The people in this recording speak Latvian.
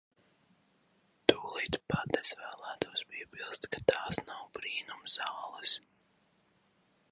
Tūlīt pat es vēlētos piebilst, ka tās nav brīnumzāles.